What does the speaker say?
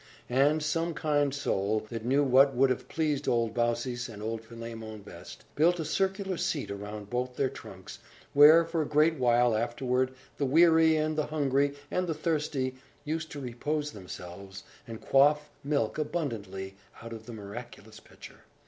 And some kind soul, that knew what would have pleased old Baucis and old Philemon best, built a circular seat around both their trunks, where, for a great while afterward the weary, and the hungry, and the thirsty used to repose themselves, and quaff milk abundantly out of the miraculous pitcher.